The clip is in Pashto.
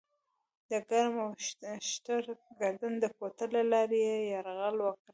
د کرم او شترګردن د کوتل له لارې یې یرغل وکړ.